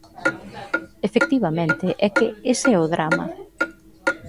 Efectivamente, é que ese é o drama.